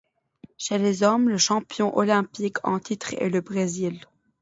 Chez les hommes, le champion olympique en titre est le Brésil.